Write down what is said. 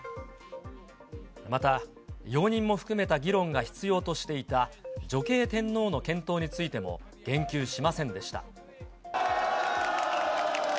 また容認も含めた議論が必要としていた女系天皇の検討についても言及しませんでした。